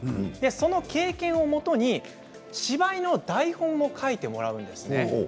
その経験をもとに芝居の台本を書いてもらうんですね。